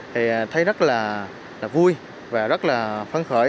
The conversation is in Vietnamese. thì thấy rất là vui và rất là phấn khởi